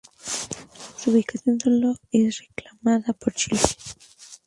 Su ubicación solo es reclamada por Chile.